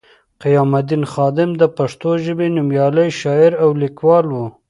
قیام الدین خادم د پښتو ژبې نومیالی شاعر او لیکوال وو